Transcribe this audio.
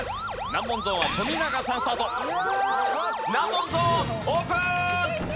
難問ゾーンオープン！